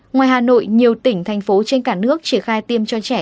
ngoài hà nội nhiều tỉnh thành phố trên cả nước triển khai tiêm cho trẻ